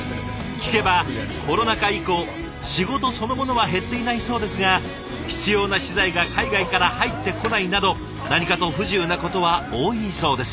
聞けばコロナ禍以降仕事そのものは減っていないそうですが必要な資材が海外から入ってこないなど何かと不自由なことは多いそうです。